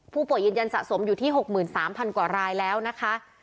ยืนยันสะสมอยู่ที่๖๓๐๐กว่ารายแล้วนะคะ